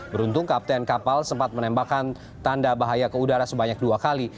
beruntung kapten kapal sempat menembakkan tanda bahaya ke udara sebanyak dua kali